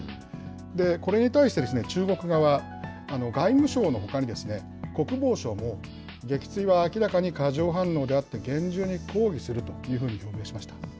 これに対して、中国側、外務省のほかに、国防省も撃墜は明らかに過剰反応であって、厳重に抗議するというふうに表明しました。